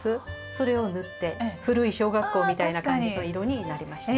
それを塗って古い小学校みたいな感じの色になりました。